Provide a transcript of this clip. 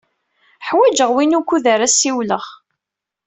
Ḥwajeɣ win wukud ara ssiwleɣ.